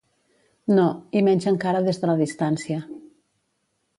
No, i menys encara des de la distància.